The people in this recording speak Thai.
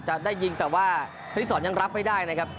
จะได้ยิงแต่ว่าคณิตศรยังรับไม่ได้นะครับ